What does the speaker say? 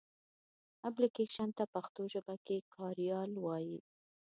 اپلکېشن ته پښتو ژبه کې کاریال وایې.